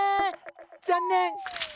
残念。